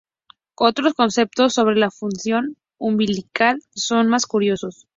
Otros conceptos sobre la función umbilical son más curiosos.